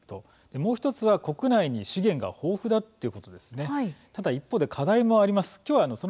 もう１つは国内に資源が豊富だということですね。